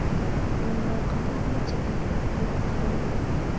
بۇنىڭغا قانداقمۇ چىداپ تۇرغىلى بولسۇن؟ !